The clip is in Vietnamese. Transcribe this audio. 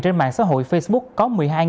trên mạng xã hội facebook có một mươi hai người dân